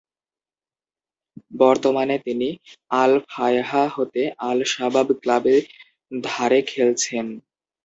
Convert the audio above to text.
বর্তমানে তিনি আল-ফায়হা হতে আল-শাবাব ক্লাবে ধারে খেলছেন।